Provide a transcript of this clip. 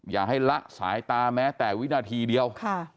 อย่าให้ละสายตาแม้แต่วินาทีเดียว